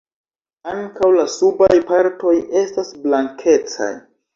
Ankaŭ la subaj partoj estas blankecaj.